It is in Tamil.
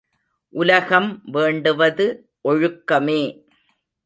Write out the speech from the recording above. உலகம் வேண்டுவது ஒழுக்கமே!